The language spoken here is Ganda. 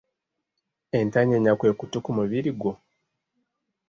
Entanyeenya kwe kutu ku mubiri gwo?